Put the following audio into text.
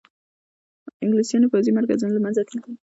انګلیسیانو پوځي مرکزونه له منځه تللي.